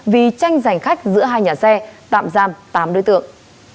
vì tranh giành khách giữa hai nhà xe tạm giam tám đối tượng